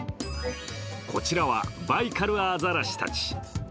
こちらはバイカルアザラシたち。